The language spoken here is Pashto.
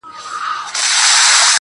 خپه په دې يم چي زه مرمه او پاتيږي ژوند.